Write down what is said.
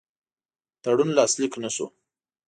تړون لاسلیک نه سو.